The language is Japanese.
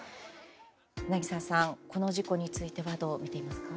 柳澤さん、この事故についてはどうみていますか？